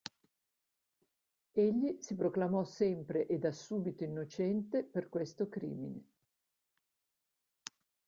Egli si proclamò sempre e da subito innocente per questo crimine.